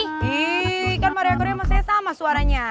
hiiih kan maria carey sama saya sama suaranya